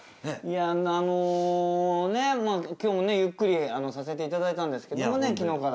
まあ今日もねゆっくりさせていただいたんですけども昨日から。